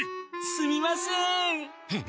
・すみません。